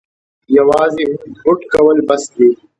یوازې هوډ کول بس دي؟